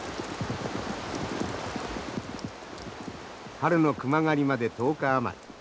春の熊狩りまで１０日余り。